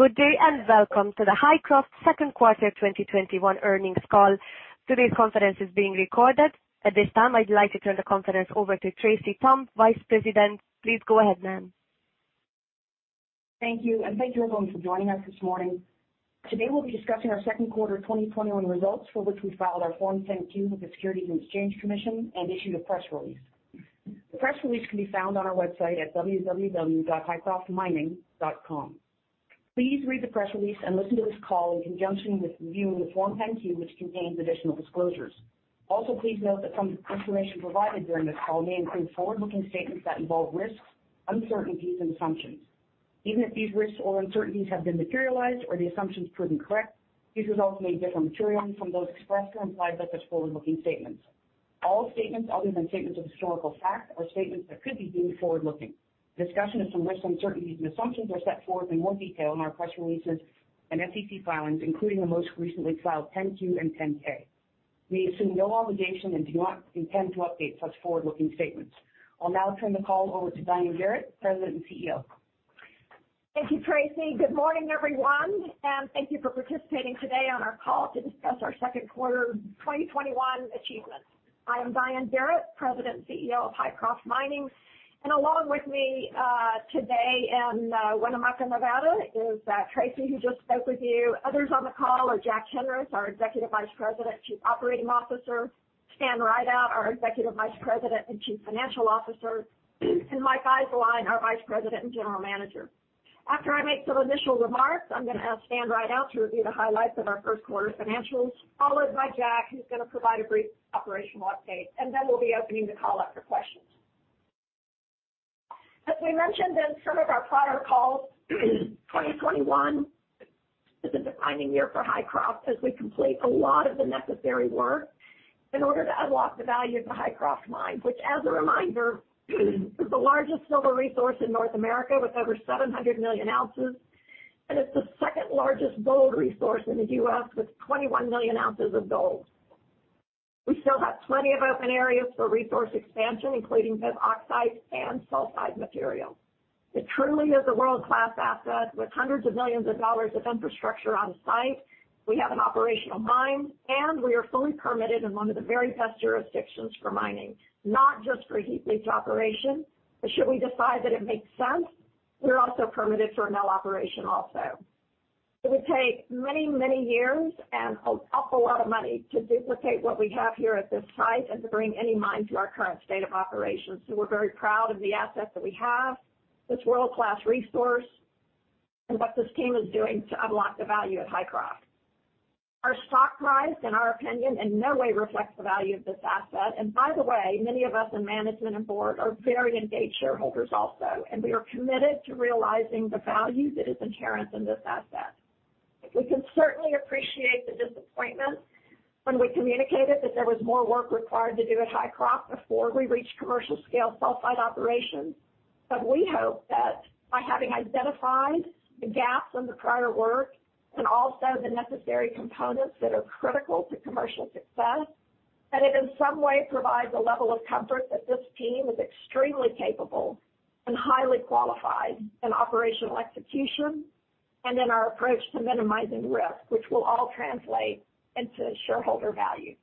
Good day, welcome to the Hycroft second quarter 2021 earnings call. Today's conference is being recorded. At this time, I'd like to turn the conference over to Tracey Thom, Vice President. Please go ahead, ma'am. Thank you, thank you, everyone, for joining us this morning. Today, we'll be discussing our second quarter 2021 results, for which we filed our Form 10-Q with the Securities and Exchange Commission and issued a press release. The press release can be found on our website at www.hycroftmining.com. Please read the press release and listen to this call in conjunction with reviewing the Form 10-Q, which contains additional disclosures. Please note that some information provided during this call may include forward-looking statements that involve risks, uncertainties, and assumptions. Even if these risks or uncertainties have been materialized or the assumptions proven correct, these results may differ materially from those expressed or implied by such forward-looking statements. All statements other than statements of historical fact are statements that could be deemed forward-looking. Discussion of some risks, uncertainties, and assumptions are set forth in more detail in our press releases and SEC filings, including the most recently filed 10-Q and 10-K. We assume no obligation and do not intend to update such forward-looking statements. I'll now turn the call over to Diane Garrett, President and CEO. Thank you, Tracey. Good morning, everyone, and thank you for participating today on our call to discuss our second quarter 2021 achievements. I am Diane Garrett, President and CEO of Hycroft Mining, and along with me today in Winnemucca, Nevada, is Tracey, who just spoke with you. Others on the call are Jack Henris, our Executive Vice President and Chief Operating Officer, Stan Rideout, our Executive Vice President and Chief Financial Officer, and Mike Eiselein, our Vice President and General Manager. After I make some initial remarks, I'm going to ask Stan Rideout to review the highlights of our first quarter financials, followed by Jack, who's going to provide a brief operational update. Then we'll be opening the call up for questions. As we mentioned in some of our prior calls, 2021 is a defining year for Hycroft as we complete a lot of the necessary work in order to unlock the value of the Hycroft Mine, which, as a reminder, is the largest silver resource in North America with over 700 million ounces, and it's the second largest gold resource in the U.S. with 21 million ounces of gold. We still have plenty of open areas for resource expansion, including both oxide and sulfide material. It truly is a world-class asset with hundreds of millions of dollars of infrastructure on site. We have an operational mine, and we are fully permitted in one of the very best jurisdictions for mining, not just for heap leach operation, but should we decide that it makes sense, we're also permitted for a mill operation also. It would take many, many years and an awful lot of money to duplicate what we have here at this site and to bring any mine to our current state of operations, so we're very proud of the asset that we have, this world-class resource, and what this team is doing to unlock the value at Hycroft. Our stock price, in our opinion, in no way reflects the value of this asset. By the way, many of us in management and board are very engaged shareholders also, and we are committed to realizing the value that is inherent in this asset. We can certainly appreciate the disappointment when we communicated that there was more work required to do at Hycroft before we reach commercial scale sulfide operations. We hope that by having identified the gaps in the prior work and also the necessary components that are critical to commercial success, that it, in some way, provides a level of comfort that this team is extremely capable and highly qualified in operational execution and in our approach to minimizing risk, which will all translate into shareholder value.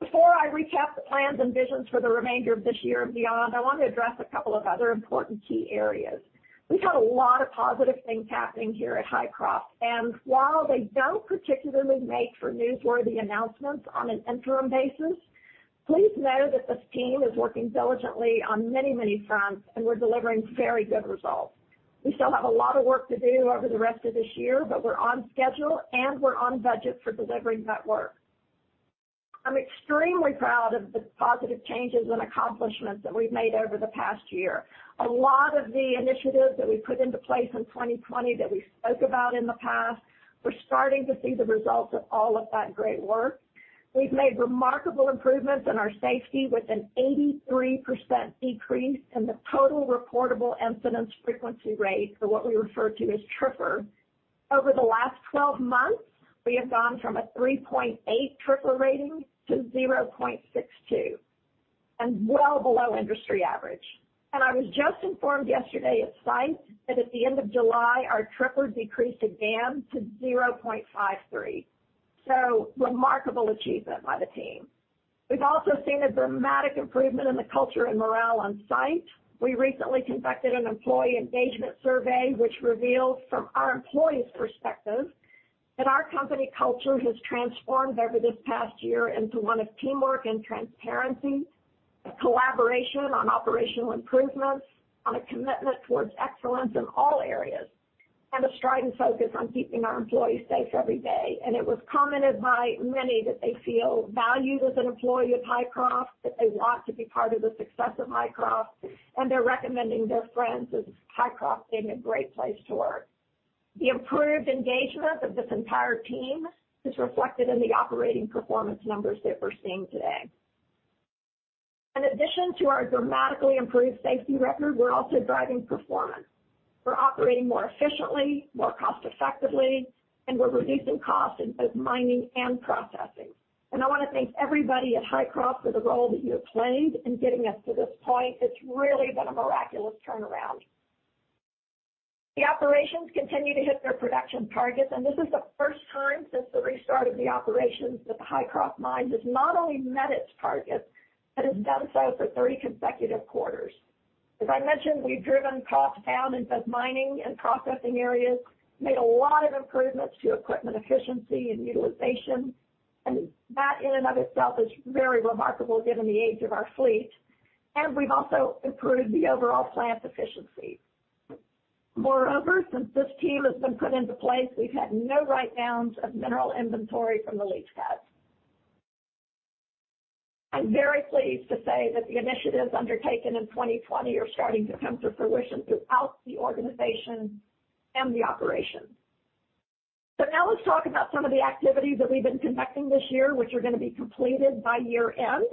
Before I recap the plans and visions for the remainder of this year and beyond, I want to address a couple of other important key areas. We've got a lot of positive things happening here at Hycroft, and while they don't particularly make for newsworthy announcements on an interim basis, please know that this team is working diligently on many, many fronts, and we're delivering very good results. We still have a lot of work to do over the rest of this year, but we're on schedule, and we're on budget for delivering that work. I'm extremely proud of the positive changes and accomplishments that we've made over the past year. A lot of the initiatives that we put into place in 2020 that we spoke about in the past, we're starting to see the results of all of that great work. We've made remarkable improvements in our safety with an 83% decrease in the total reportable incident frequency rate, or what we refer to as TRIFR. Over the last 12 months, we have gone from a 3.8 TRIFR rating to 0.62, and well below industry average. I was just informed yesterday at site that at the end of July, our TRIFR decreased again to 0.53. Remarkable achievement by the team. We've also seen a dramatic improvement in the culture and morale on site. We recently conducted an employee engagement survey, which reveals from our employees' perspective that our company culture has transformed over this past year into one of teamwork and transparency, collaboration on operational improvements, on a commitment towards excellence in all areas, and a stride and focus on keeping our employees safe every day. It was commented by many that they feel valued as an employee of Hycroft, that they want to be part of the success of Hycroft, and they're recommending their friends that Hycroft's been a great place to work. The improved engagement of this entire team is reflected in the operating performance numbers that we're seeing today. In addition to our dramatically improved safety record, we're also driving performance. We're operating more efficiently, more cost effectively, and we're reducing costs in both mining and processing. I want to thank everybody at Hycroft for the role that you have played in getting us to this point. It's really been a miraculous turnaround. The operations continue to hit their production targets, and this is the first time since the restart of the operations that the Hycroft Mine has not only met its targets but has done so for 30 consecutive quarters. As I mentioned, we've driven costs down in both mining and processing areas, made a lot of improvements to equipment efficiency and utilization. That, in and of itself, is very remarkable given the age of our fleet, and we've also improved the overall plant efficiency. Moreover, since this team has been put into place, we've had no write-downs of mineral inventory from the leach pad. I'm very pleased to say that the initiatives undertaken in 2020 are starting to come to fruition throughout the organization and the operation. Now let's talk about some of the activities that we've been conducting this year, which are going to be completed by year-end,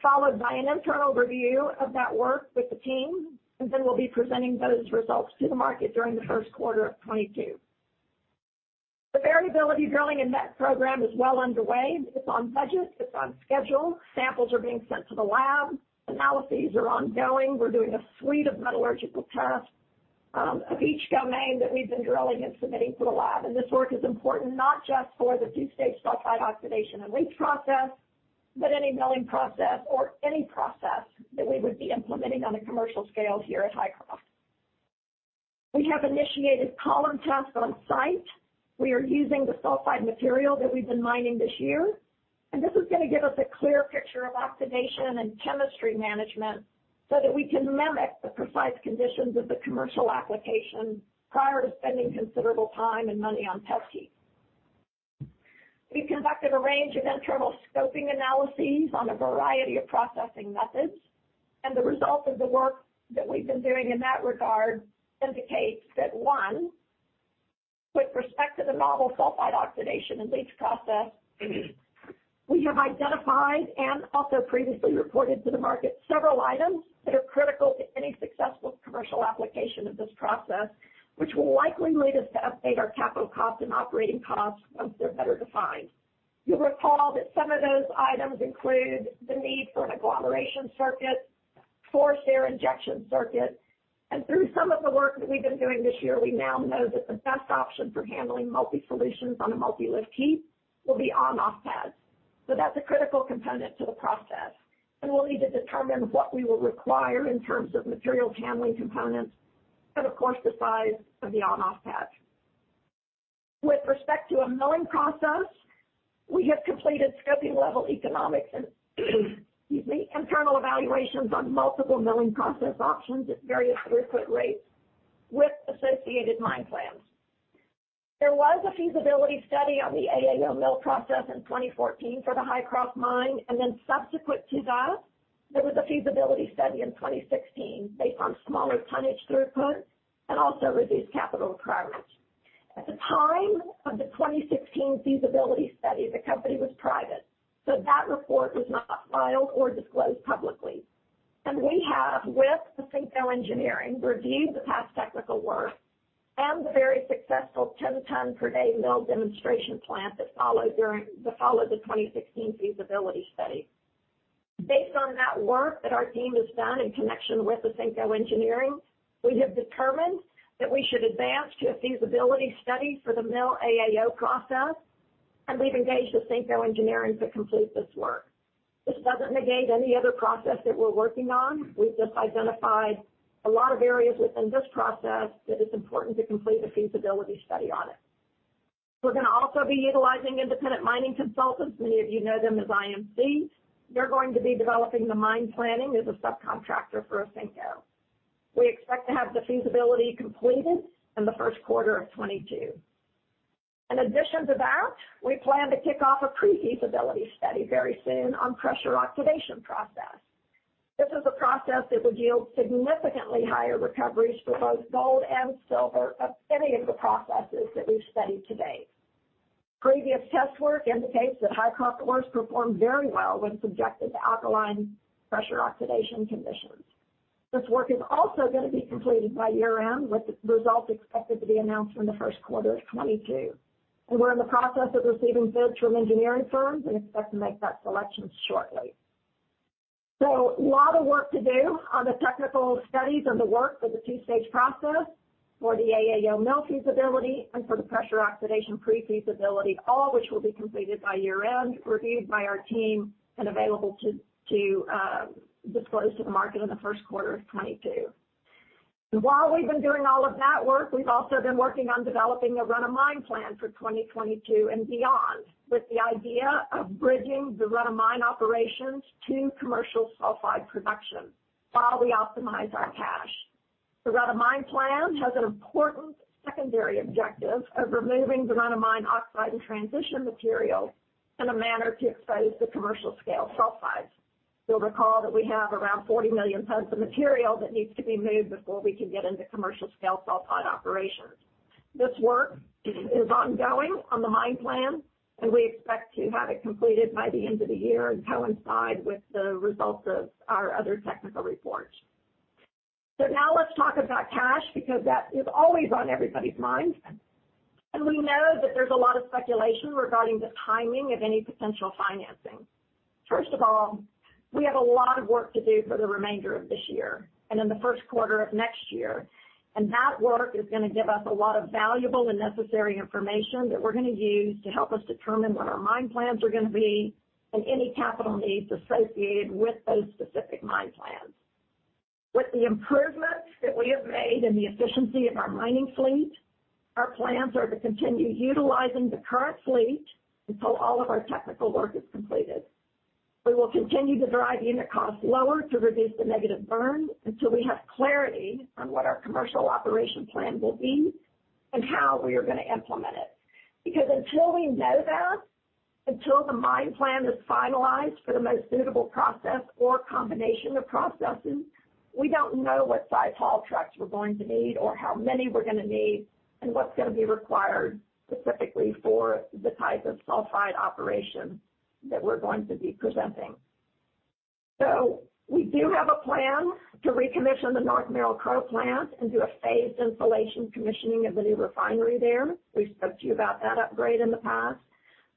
followed by an internal review of that work with the team, and then we'll be presenting those results to the market during the first quarter of 2022. The variability drilling in that program is well underway. It's on budget, it's on schedule. Samples are being sent to the lab. Analyses are ongoing. We're doing a suite of metallurgical tests of each domain that we've been drilling and submitting to the lab. This work is important not just for the two-stage sulfide oxidation and leach process, but any milling process or any process that we would be implementing on a commercial scale here at Hycroft. We have initiated column tests on site. We are using the sulfide material that we've been mining this year, and this is going to give us a clear picture of oxidation and chemistry management so that we can mimic the precise conditions of the commercial application prior to spending considerable time and money on test heaps. We've conducted a range of internal scoping analyses on a variety of processing methods. The result of the work that we've been doing in that regard indicates that, one, with respect to the novel sulfide oxidation and leach process, we have identified and also previously reported to the market several items that are critical to any successful commercial application of this process, which will likely lead us to update our capital costs and operating costs once they're better defined. You'll recall that some of those items include the need for an agglomeration circuit, forced air injection circuit. Through some of the work that we've been doing this year, we now know that the best option for handling multi solutions on a multi-lift heap will be on-off pads. That's a critical component to the process, and we'll need to determine what we will require in terms of material handling components and, of course, the size of the on-off pads. With respect to a milling process, we have completed scoping-level economics and, excuse me, internal evaluations on multiple milling process options at various throughput rates with associated mine plans. There was a feasibility study on the AAO mill process in 2014 for the Hycroft Mine, subsequent to that, there was a feasibility study in 2016 based on smaller tonnage throughput and also reduced capital requirements. At the time of the 2016 feasibility study, the company was private, that report was not filed or disclosed publicly. We have, with Ausenco Engineering, reviewed the past technical work and the very successful 10-tonne per day mill demonstration plant that followed the 2016 feasibility study. Based on that work that our team has done in connection with Ausenco Engineering, we have determined that we should advance to a feasibility study for the mill AAO process. We've engaged Ausenco Engineering to complete this work. This doesn't negate any other process that we're working on. We've just identified a lot of areas within this process that it's important to complete a feasibility study on it. We're going to also be utilizing Independent Mining Consultants. Many of you know them as IMC. They're going to be developing the mine planning as a subcontractor for Ausenco. We expect to have the feasibility completed in the first quarter of 2022. In addition to that, we plan to kick off a pre-feasibility study very soon on pressure oxidation process. This is a process that would yield significantly higher recoveries for both gold and silver of any of the processes that we've studied to date. Previous test work indicates that Hycroft ores performed very well when subjected to alkaline pressure oxidation conditions. This work is also going to be completed by year-end, with the results expected to be announced in the first quarter of 2022. We're in the process of receiving bids from engineering firms and expect to make that selection shortly. A lot of work to do on the technical studies and the work for the two-stage process for the AAO mill feasibility and for the pressure oxidation pre-feasibility, all which will be completed by year-end, reviewed by our team, and available to disclose to the market in the first quarter of 2022. While we've been doing all of that work, we've also been working on developing a run-of-mine plan for 2022 and beyond, with the idea of bridging the run-of-mine operations to commercial sulfide production while we optimize our cash. The run-of-mine plan has an important secondary objective of removing the run-of-mine oxide and transition material in a manner to expose the commercial scale sulfides. You'll recall that we have around 40 million tons of material that needs to be moved before we can get into commercial scale sulfide operations. This work is ongoing on the mine plan, and we expect to have it completed by the end of the year and coincide with the results of our other technical reports. Now let's talk about cash, because that is always on everybody's minds. We know that there's a lot of speculation regarding the timing of any potential financing. First of all, we have a lot of work to do for the remainder of this year and in the first quarter of next year, and that work is going to give us a lot of valuable and necessary information that we're going to use to help us determine what our mine plans are going to be and any capital needs associated with those specific mine plans. With the improvements that we have made in the efficiency of our mining fleet, our plans are to continue utilizing the current fleet until all of our technical work is completed. We will continue to drive unit costs lower to reduce the negative burn until we have clarity on what our commercial operation plan will be and how we are going to implement it. Until we know that, until the mine plan is finalized for the most suitable process or combination of processes, we don't know what size haul trucks we're going to need or how many we're going to need, and what's going to be required specifically for the type of sulfide operation that we're going to be presenting. We do have a plan to recommission the North Merrill-Crowe plant and do a phased installation commissioning of the new refinery there. We've spoke to you about that upgrade in the past.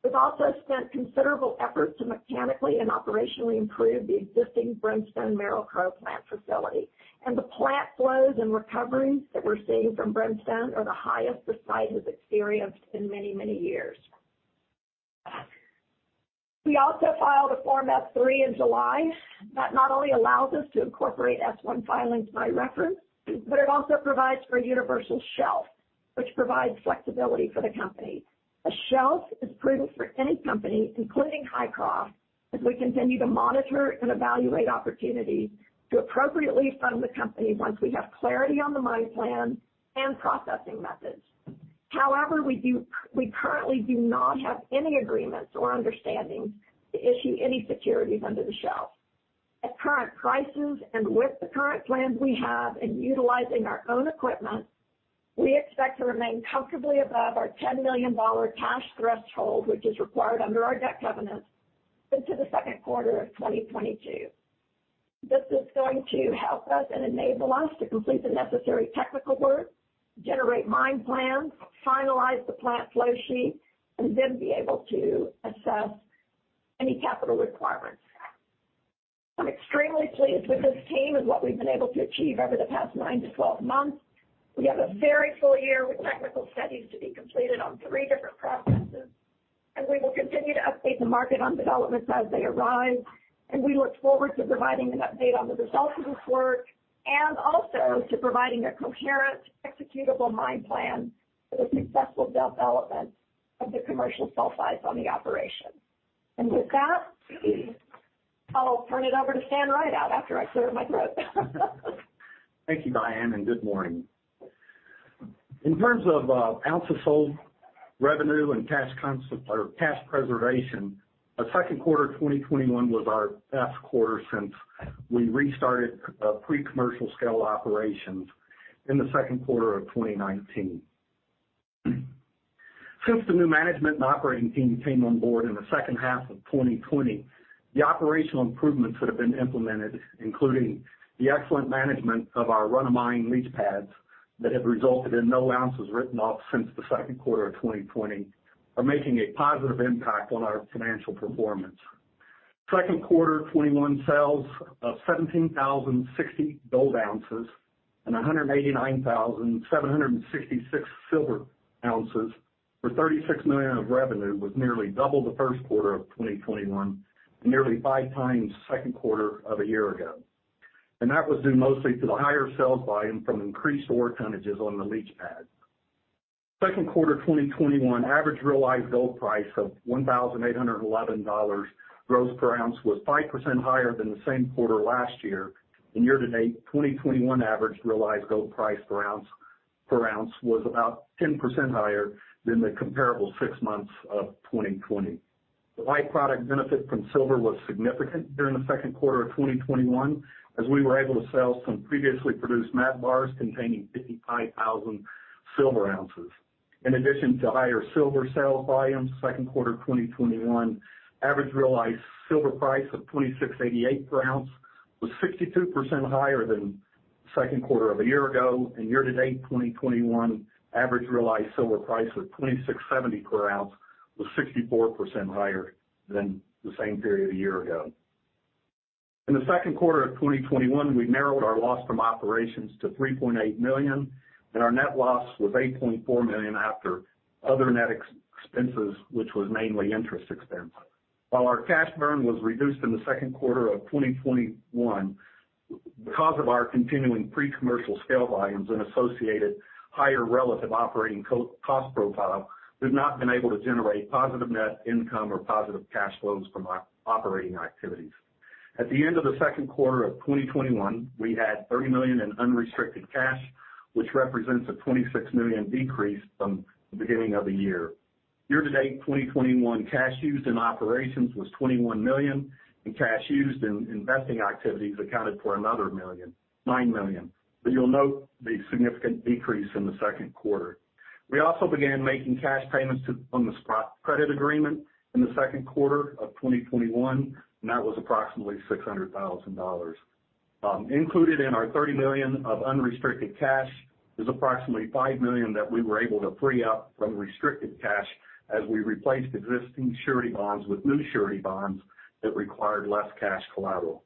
We've also spent considerable effort to mechanically and operationally improve the existing Brimstone Merrill-Crowe plant facility, and the plant flows and recoveries that we're seeing from Brimstone are the highest the site has experienced in many, many years. We also filed a Form S-3 in July that not only allows us to incorporate S-1 filings by reference, it also provides for a universal shelf, which provides flexibility for the company. A shelf is prudent for any company, including Hycroft, as we continue to monitor and evaluate opportunities to appropriately fund the company once we have clarity on the mine plan and processing methods. We currently do not have any agreements or understandings to issue any securities under the shelf. At current prices and with the current plans we have in utilizing our own equipment, we expect to remain comfortably above our $10 million cash threshold, which is required under our debt covenants into the second quarter of 2022. This is going to help us and enable us to complete the necessary technical work, generate mine plans, finalize the plant flow sheet, then be able to assess any capital requirements. I'm extremely pleased with this team and what we've been able to achieve over the past 9-12 months. We have a very full year with technical studies to be completed on three different processes, and we will continue to update the market on developments as they arise. We look forward to providing an update on the results of this work and also to providing a coherent, executable mine plan for the successful development of the commercial sulfides on the operation. With that, I'll turn it over to Stan Rideout after I clear my throat. Thank you, Diane, and good morning. In terms of ounces of sold revenue and cash preservation, second quarter 2021 was our best quarter since we restarted pre-commercial scale operations in the second quarter of 2019. Since the new management and operating team came on board in the second half of 2020, the operational improvements that have been implemented, including the excellent management of our run of mine leach pads that have resulted in no ounces written off since the second quarter of 2020, are making a positive impact on our financial performance. Second quarter 2021, sales of 17,060 gold ounces and 189,766 silver ounces for $36 million of revenue was nearly double the first quarter of 2021, and nearly 5x second quarter of a year ago. That was due mostly to the higher sales volume from increased ore tonnages on the leach pad. Second quarter 2021 average realized gold price of $1,811 gross per ounce was 5% higher than the same quarter last year. Year to date, 2021 average realized gold price per ounce was about 10% higher than the comparable six months of 2020. The by-product benefit from silver was significant during the second quarter of 2021, as we were able to sell some previously produced matte bars containing 55,000 silver ounces. In addition to higher silver sale volumes, second quarter 2021 average realized silver price of $26.88 per ounce was 62% higher than second quarter of a year ago. Year to date 2021, average realized silver price of $26.70 per ounce was 64% higher than the same period a year ago. In the second quarter of 2021, we narrowed our loss from operations to $3.8 million, our net loss was $8.4 million after other net expenses, which was mainly interest expense. While our cash burn was reduced in the second quarter of 2021, because of our continuing pre-commercial scale volumes and associated higher relative operating cost profile, we've not been able to generate positive net income or positive cash flows from our operating activities. At the end of the second quarter of 2021, we had $30 million in unrestricted cash, which represents a $26 million decrease from the beginning of the year. Year to date 2021, cash used in operations was $21 million, cash used in investing activities accounted for another $9 million, you'll note the significant decrease in the second quarter. We also began making cash payments on the Sprott credit agreement in the second quarter of 2021, that was approximately $600,000. Included in our $30 million of unrestricted cash is approximately $5 million that we were able to free up from restricted cash as we replaced existing surety bonds with new surety bonds that required less cash collateral.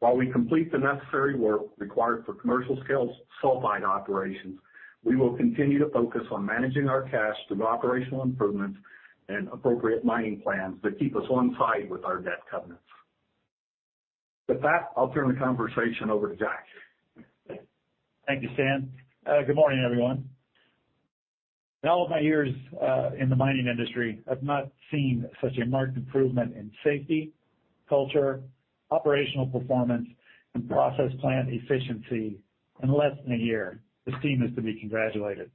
While we complete the necessary work required for commercial-scale sulfide operations, we will continue to focus on managing our cash through operational improvements and appropriate mining plans that keep us on side with our debt covenants. With that, I'll turn the conversation over to Jack. Thank you, Stan. Good morning, everyone. In all of my years in the mining industry, I've not seen such a marked improvement in safety, culture, operational performance, and process plant efficiency in less than a year. This team is to be congratulated.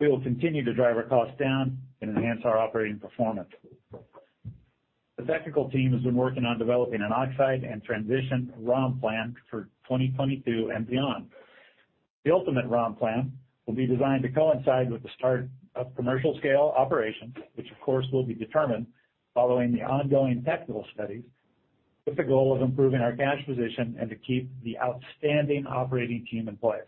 We will continue to drive our costs down and enhance our operating performance. The technical team has been working on developing an oxide and transition ROM plan for 2022 and beyond. The ultimate ROM plan will be designed to coincide with the start of commercial-scale operations, which of course, will be determined following the ongoing technical studies, with the goal of improving our cash position and to keep the outstanding operating team in place.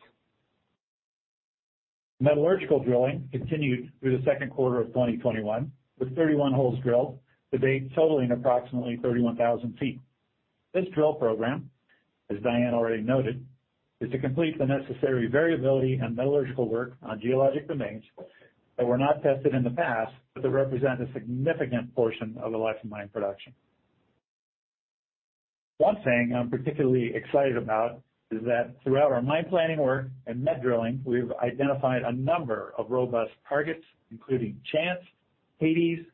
Metallurgical drilling continued through the second quarter of 2021, with 31 holes drilled to date totaling approximately 31,000 ft. This drill program, as Diane already noted, is to complete the necessary variability and metallurgical work on geologic domains that were not tested in the past, but that represent a significant portion of the life of mine production. One thing I'm particularly excited about is that throughout our mine planning work and met drilling, we've identified a number of robust targets, including Chance, Hades,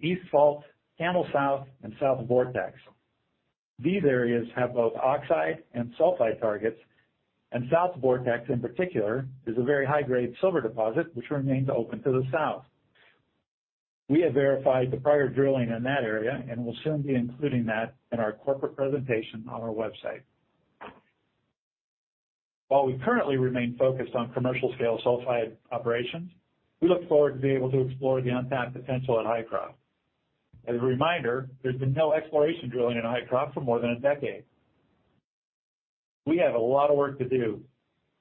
East Fault, Camel South, and South Vortex. These areas have both oxide and sulfide targets. South Vortex, in particular, is a very high-grade silver deposit, which remains open to the south. We have verified the prior drilling in that area and will soon be including that in our corporate presentation on our website. While we currently remain focused on commercial-scale sulfide operations, we look forward to being able to explore the untapped potential at Hycroft. As a reminder, there's been no exploration drilling in Hycroft for more than a decade. We have a lot of work to do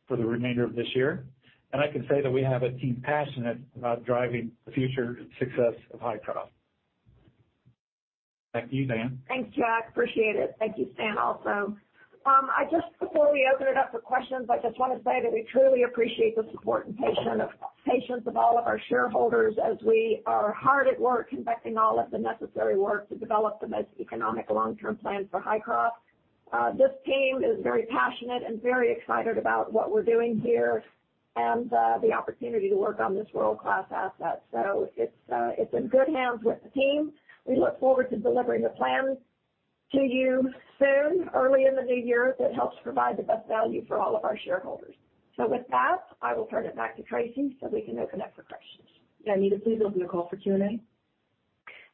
for the remainder of this year, and I can say that we have a team passionate about driving the future success of Hycroft. Back to you, Diane. Thanks, Jack. Appreciate it. Thank you, Stan, also. Just before we open it up for questions, I just want to say that we truly appreciate the support and patience of all of our shareholders as we are hard at work conducting all of the necessary work to develop the most economic long-term plan for Hycroft. This team is very passionate and very excited about what we're doing here and the opportunity to work on this world-class asset. It's in good hands with the team. We look forward to delivering the plan to you soon, early in the new year, that helps provide the best value for all of our shareholders. With that, I will turn it back to Tracey so we can open up for questions. Danita, please open the call for Q&A.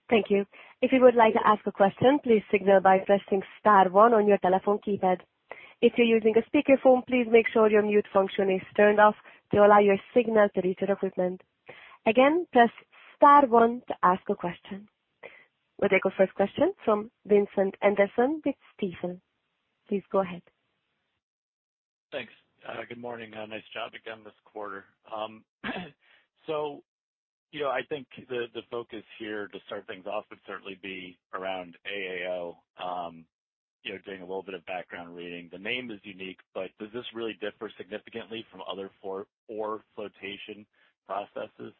Thank you. If you would like to ask a question, please signal by pressing star one on your telephone keypad. If you're using a speakerphone, please make sure your mute function is turned off to allow your signal to reach our equipment. Again, press star one to ask a question. We'll take our first question from Vincent Anderson with Stifel. Please go ahead. Thanks. Good morning. Nice job again this quarter. I think the focus here to start things off would certainly be around AAO. Doing a little bit of background reading, the name is unique, but does this really differ significantly from other ore flotation processes?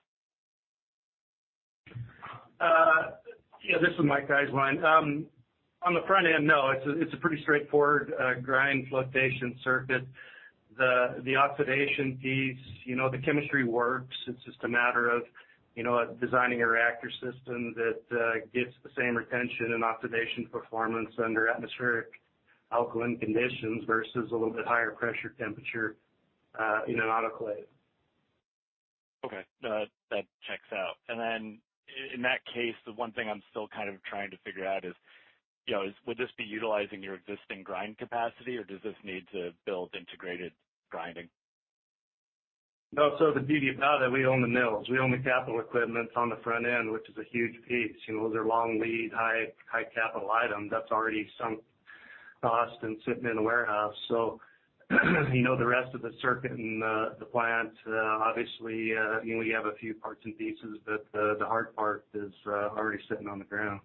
Yeah. This is Mike Eiselein. On the front end, no, it's a pretty straightforward grind flotation circuit. The oxidation piece, the chemistry works. It's just a matter of designing a reactor system that gets the same retention and oxidation performance under atmospheric alkaline conditions versus a little bit higher pressure temperature in an autoclave. Okay. That checks out. In that case, the one thing I'm still kind of trying to figure out is, would this be utilizing your existing grind capacity, or does this need to build integrated grinding? No. The beauty about it, we own the mills. We own the capital equipment on the front end, which is a huge piece. Those are long lead, high capital items that's already sunk cost and sitting in a warehouse. The rest of the circuit and the plant, obviously, we have a few parts and pieces, but the hard part is already sitting on the ground.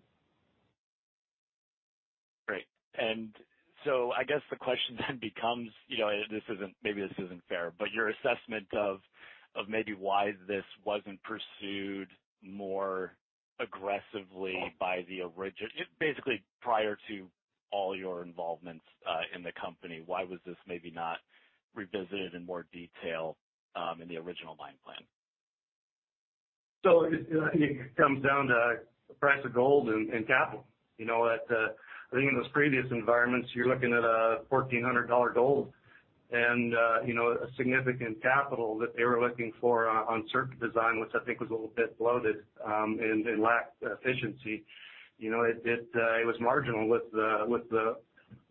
Great. I guess the question then becomes, maybe this isn't fair, but your assessment of maybe why this wasn't pursued more aggressively by the original, basically prior to all your involvement in the company, why was this maybe not revisited in more detail in the original mine plan? I think it comes down to price of gold and capital. I think in those previous environments, you're looking at a $1,400 gold and a significant capital that they were looking for on circuit design, which I think was a little bit bloated and lacked efficiency. It was marginal with the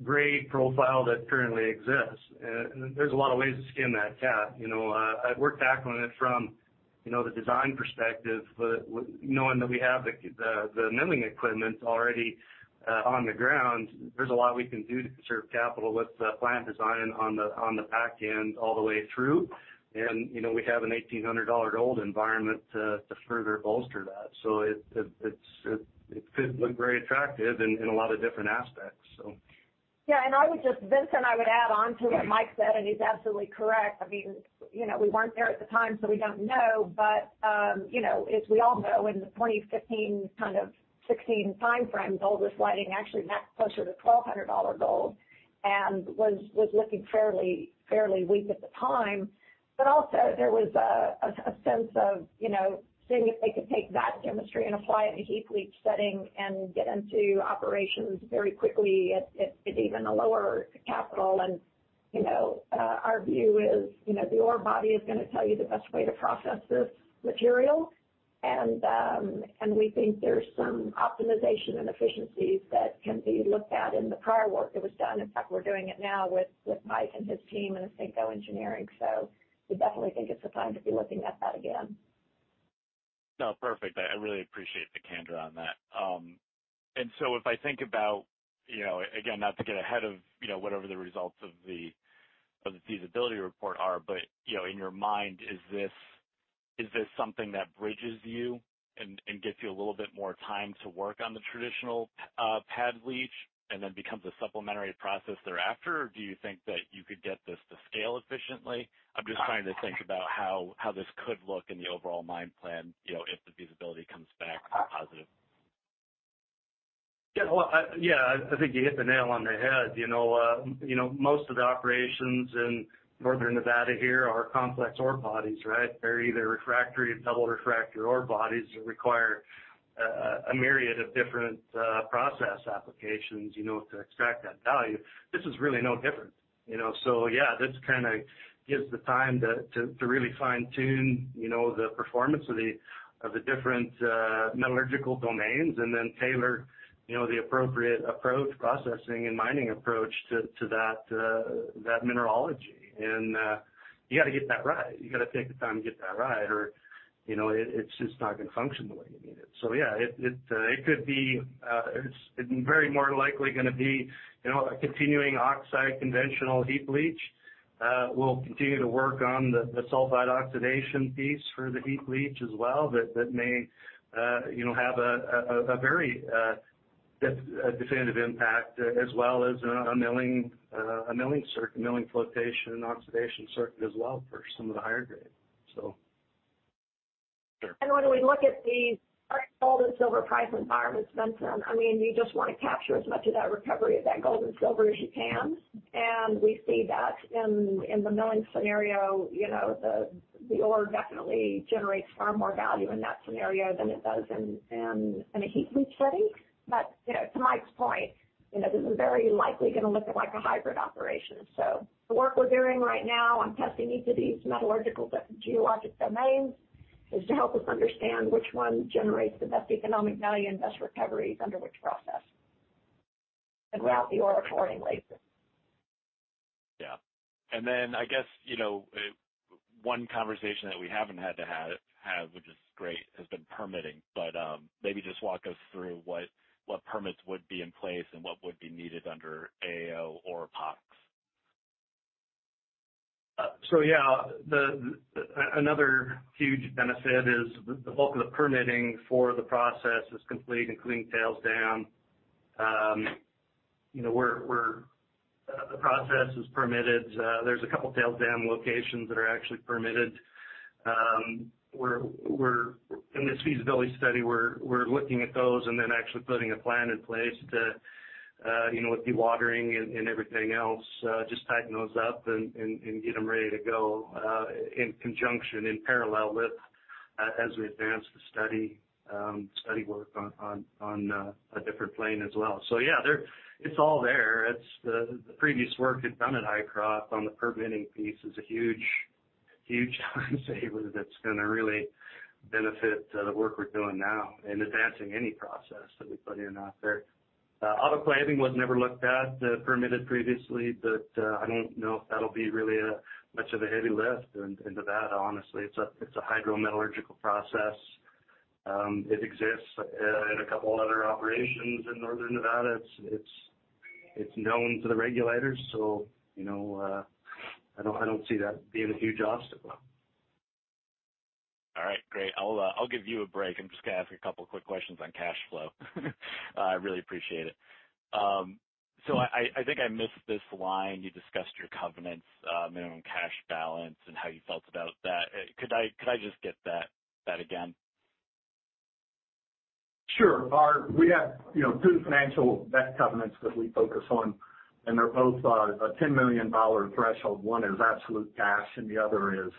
grade profile that currently exists. There's a lot of ways to skin that cat. I've worked tackling it from the design perspective, but knowing that we have the milling equipment already on the ground, there's a lot we can do to conserve capital with the plant design on the back end all the way through. We have an $1,800 gold environment to further bolster that. It could look very attractive in a lot of different aspects. Yeah, Vincent, I would add on to what Mike said, and he's absolutely correct. We weren't there at the time, we don't know. As we all know, in the 2015, 2016 timeframe, gold was sliding, actually not closer to $1,200 gold, and was looking fairly weak at the time. Also there was a sense of seeing if they could take that chemistry and apply it in a heap leach setting and get into operations very quickly at even a lower capital. Our view is, the ore body is going to tell you the best way to process this material. We think there's some optimization and efficiencies that can be looked at in the prior work that was done. In fact, we're doing it now with Mike and his team and Ausenco Engineering. We definitely think it's the time to be looking at that again. No, perfect. I really appreciate the candor on that. If I think about, again, not to get ahead of whatever the results of the feasibility report are, but in your mind, is this something that bridges you and gives you a little bit more time to work on the traditional pad leach and then becomes a supplementary process thereafter? Or do you think that you could get this to scale efficiently? I'm just trying to think about how this could look in the overall mine plan, if the feasibility comes back positive. Yeah. Well, I think you hit the nail on the head. Most of the operations in northern Nevada here are complex ore bodies, right? They're either refractory or double refractory ore bodies that require a myriad of different process applications to extract that value. This is really no different. Yeah, this kind of gives the time to really fine-tune the performance of the different metallurgical domains and then tailor the appropriate approach, processing, and mining approach to that mineralogy. You got to get that right. You got to take the time to get that right or it's just not going to function the way you need it. Yeah, it's very more likely going to be a continuing oxide conventional heap leach. We'll continue to work on the sulfide oxidation piece for the heap leach as well. That may have a very definitive impact as well as a milling circuit, a milling flotation oxidation circuit as well for some of the higher grade. Sure. When we look at the gold and silver price environments, Vincent, you just want to capture as much of that recovery of that gold and silver as you can. We see that in the milling scenario, the ore definitely generates far more value in that scenario than it does in a heap leach setting. To Mike's point, this is very likely going to look like a hybrid operation. The work we're doing right now on testing each of these metallurgical geologic domains is to help us understand which one generates the best economic value and best recoveries under which process, and route the ore accordingly. Yeah. I guess, one conversation that we haven't had to have, which is great, has been permitting, but maybe just walk us through what permits would be in place and what would be needed under AAO or POX. Yeah. Another huge benefit is the bulk of the permitting for the process is complete, including tails dam. The process is permitted. There's two tails dam locations that are actually permitted. In this feasibility study, we're looking at those and then actually putting a plan in place to, with dewatering and everything else, just tighten those up and get them ready to go in conjunction, in parallel with, as we advance the study work on a different plane as well. Yeah, it's all there. It's the previous work we've done at Hycroft on the permitting piece is a huge time saver that's going to really benefit the work we're doing now in advancing any process that we put in out there. Autoclaving was never looked at, permitted previously, but I don't know if that'll be really much of a heavy lift into that, honestly. It's a hydrometallurgical process. It exists in a couple other operations in Northern Nevada. I don't see that being a huge obstacle. All right, great. I'll give you a break. I'm just going to ask you a couple quick questions on cash flow. I really appreciate it. I think I missed this line. You discussed your covenants, minimum cash balance, and how you felt about that. Could I just get that again? Sure. We have two financial debt covenants that we focus on. They're both a $10 million threshold. One is absolute cash and the other is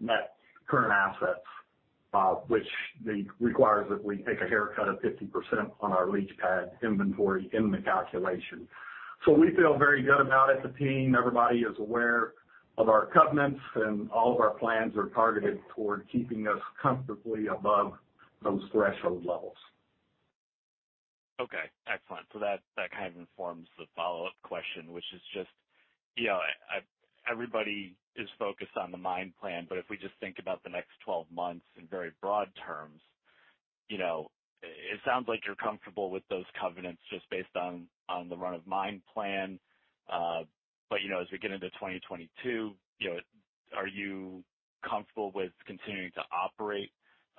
net current assets, which requires that we take a haircut of 50% on our leach pad inventory in the calculation. We feel very good about it. The team, everybody is aware of our covenants. All of our plans are targeted toward keeping us comfortably above those threshold levels. Okay, excellent. That kind of informs the follow-up question, which is just, everybody is focused on the mine plan, but if we just think about the next 12 months in very broad terms, it sounds like you're comfortable with those covenants just based on the run of mine plan. As we get into 2022, are you comfortable with continuing to operate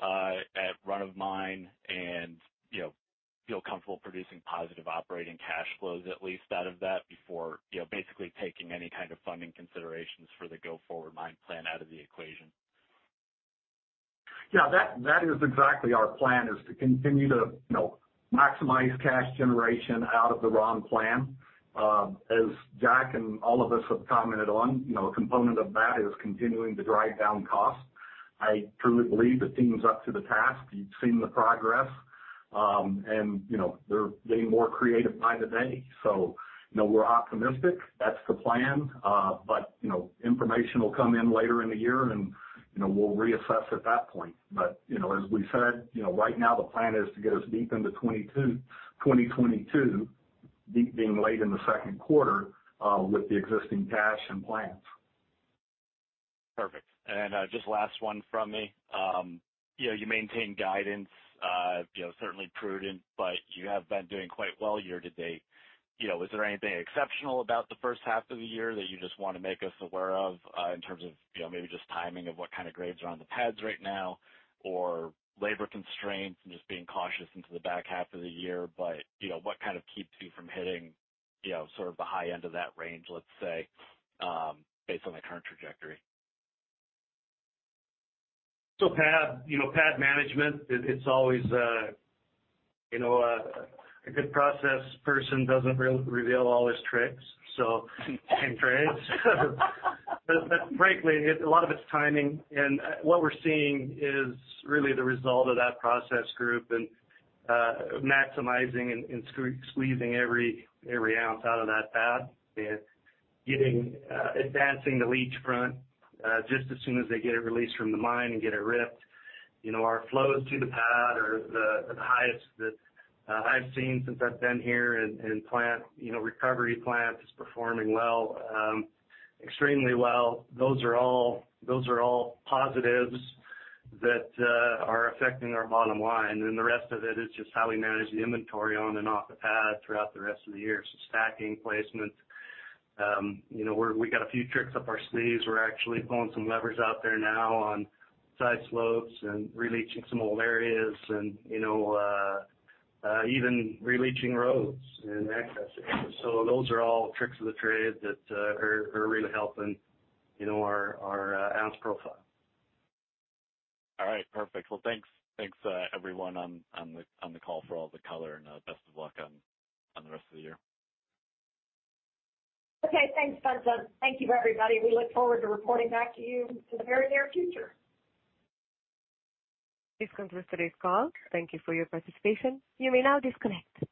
at run of mine and feel comfortable producing positive operating cash flows at least out of that before basically taking any kind of funding considerations for the go-forward mine plan out of the equation? Yeah, that is exactly our plan, is to continue to maximize cash generation out of the ROM plan. As Jack and all of us have commented on, a component of that is continuing to drive down costs. I truly believe the team's up to the task. You've seen the progress. They're getting more creative by the day. We're optimistic. That's the plan. Information will come in later in the year and we'll reassess at that point. As we said, right now the plan is to get us deep into 2022, deep being late in the second quarter, with the existing cash and plans. Perfect. Just last one from me. You maintain guidance, certainly prudent, but you have been doing quite well year to date. Is there anything exceptional about the first half of the year that you just want to make us aware of in terms of maybe just timing of what kind of grades are on the pads right now, or labor constraints and just being cautious into the back half of the year? What kind of keeps you from hitting sort of the high end of that range, let's say, based on the current trajectory? Pad management, it's always a good process person doesn't reveal all his tricks of the trade. Frankly, a lot of it's timing. What we're seeing is really the result of that process group and maximizing and squeezing every ounce out of that pad and advancing the leach front, just as soon as they get it released from the mine and get it ripped. Our flows to the pad are the highest that I've seen since I've been here, and recovery plant is performing well, extremely well. Those are all positives that are affecting our bottom line. The rest of it is just how we manage the inventory on and off the pad throughout the rest of the year. Stacking, placement. We got a few tricks up our sleeves. We're actually pulling some levers out there now on side slopes and releaching some old areas and even releaching roads and access. Those are all tricks of the trade that are really helping our ounce profile. All right. Perfect. Well, thanks. Thanks, everyone on the call for all the color, and best of luck on the rest of the year. Okay. Thanks, Anderson. Thank you, everybody. We look forward to reporting back to you in the very near future. This concludes today's call. Thank you for your participation. You may now disconnect.